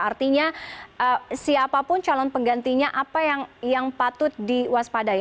artinya siapapun calon penggantinya apa yang patut diwaspadai